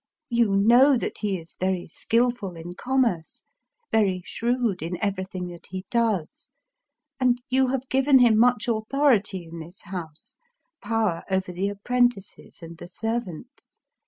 You know that he is very skilful in commerce, — very shrewd in everything that he does. And you have given him much authority in this house — power over the apprentices and the servants.